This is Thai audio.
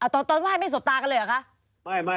ตอนต้นไหว้ไม่สบตากันเลยเหรอคะ